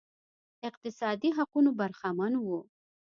اقتصادي حقونو برخمن وو